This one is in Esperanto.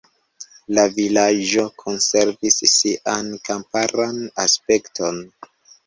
La vilaĝo konservis sian kamparan aspekton.